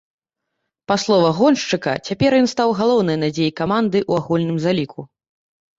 Па словах гоншчыка цяпер ён стаў галоўнай надзеяй каманды ў агульным заліку.